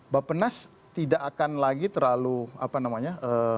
bapak nas tidak akan lagi terlalu apa namanya